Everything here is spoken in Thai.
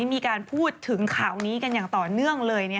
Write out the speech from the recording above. มีการพูดถึงข่าวนี้กันอย่างต่อเนื่องเลย